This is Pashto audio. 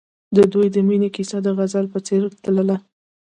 د دوی د مینې کیسه د غزل په څېر تلله.